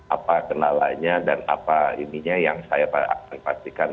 apa kendalanya dan apa ininya yang saya akan pastikan